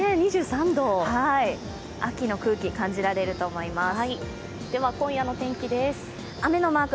２３度、秋の空気、感じられると思います。